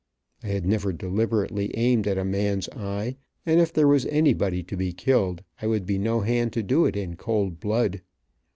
I had never deliberately aimed at a man's eye, and if there was anybody to be killed I would be no hand to do it in cold blood.